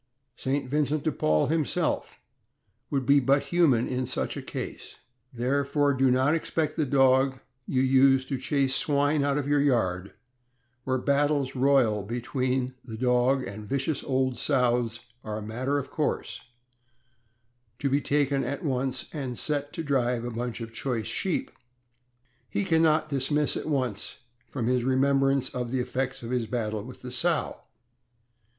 St. Vincent de Paul himself would be but human in such a case; therefore, do not expect the dog you use to chase swine out of your yard, where battles royal between the dog and vicious old sows are a matter of course, to be taken at once and set to drive a bunch of choice sheep; he can not dismiss at once from his remembrance the effects of his battle with the sow.